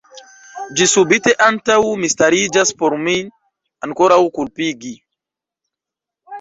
Ĝi subite antaŭ mi stariĝas por min ankoraŭ kulpigi.